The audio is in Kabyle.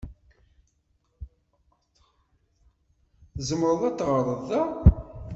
Tzemreḍ ad teɣṛeḍ da.